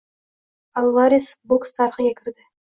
Alvares boks tarixiga kirdi